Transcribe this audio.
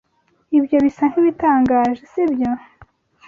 Ibyo bisa nkibitangaje, sibyo?